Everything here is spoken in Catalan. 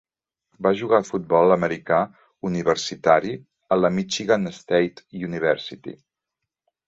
Va jugar al futbol americà universitari a la Michigan State University.